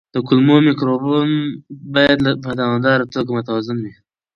د کولمو مایکروبیوم باید په دوامداره توګه متوازن وي.